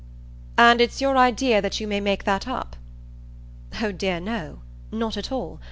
"And it's your idea that you may make that up?" "Oh dear, no; not at all.